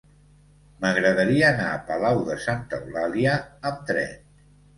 M'agradaria anar a Palau de Santa Eulàlia amb tren.